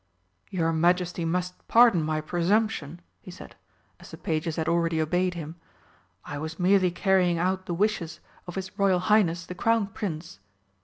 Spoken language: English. "Your Majesty must pardon my presumption," he said, as the pages had already obeyed him. "I was merely carrying out the wishes of His Royal Highness the Crown Prince."